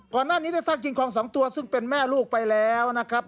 ก่อนหน้านี้ได้ซากจิงคอง๒ตัวซึ่งเป็นแม่ลูกไปแล้วนะครับ